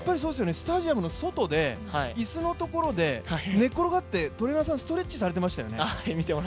スタジアムの外で椅子のところで寝転がってトレーナーさん、ストレッチされてましたよね。